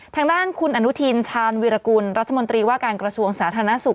ทางด้านคุณอนุทินชาญวิรากุลรัฐมนตรีว่าการกระทรวงสาธารณสุข